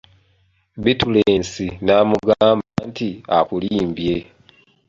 Bittulensi n'amugamba nti:"akulimbye"